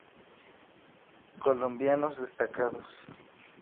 Colombianos destacados